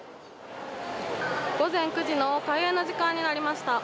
午前９時の開園の時間になりました。